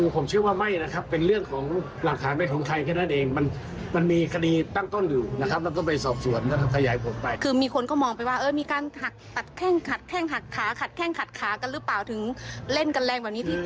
ขัดแข้งขัดขาขัดแข่งขัดขากันหรือเปล่าถึงเล่นกันแรงแบบนี้